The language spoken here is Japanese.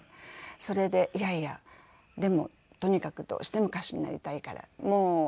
それでいやいやでもとにかくどうしても歌手になりたいから。